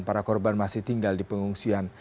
para korban masih tinggal di pengungsian